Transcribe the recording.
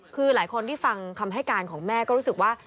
คือหลายคนที่ฟังคำให้การของแม่ก็รู้สึกว่า